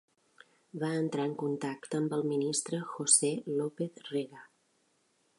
Va entrar en contacte amb el Ministre José López Rega.